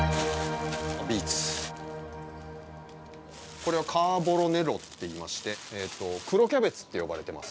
これはカーボロネロっていいまして黒キャベツって呼ばれてます